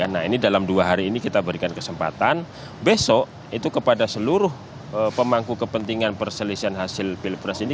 nah ini dalam dua hari ini kita berikan kesempatan besok itu kepada seluruh pemangku kepentingan perselisihan hasil pilpres ini